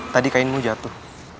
tadi kainmu jatuh